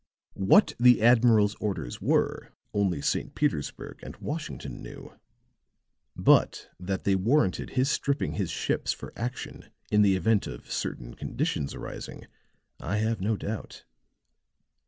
What the admiral's orders were, only St. Petersburg and Washington knew; but that they warranted his stripping his ships for action in the event of certain conditions arising, I have no doubt.